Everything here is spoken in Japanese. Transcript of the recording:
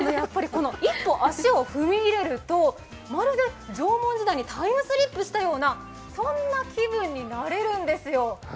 一歩足を踏み入れると、まるで縄文時代にタイムスリップしたようなそんな気分になれるんですよ。